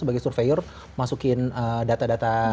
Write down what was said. sebagai surveyor masukin data data